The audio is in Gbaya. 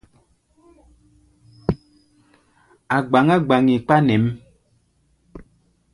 A̧ gbaŋgá gbaŋgi kpa nɛ̌ʼm.